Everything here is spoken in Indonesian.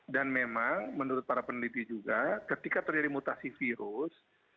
dan memang menurut para peneliti juga ketika terjadi mutasi virus